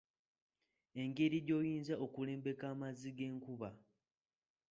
Engeri gy'oyinza okulembeka amazzi g'enkuba.